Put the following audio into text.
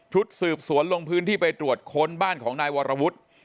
สืบสวนลงพื้นที่ไปตรวจค้นบ้านของนายวรวุฒิ